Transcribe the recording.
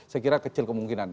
saya kira kecil kemungkinan